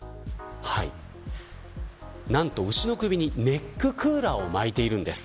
牛の首にネッククーラーを巻いているんです。